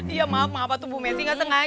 iya maaf maaf atuh bu messi gak sengaja